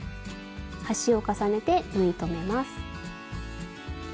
端を重ねて縫い留めます。